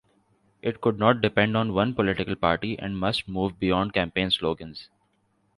It could not depend on one political party and must move beyond campaign slogans.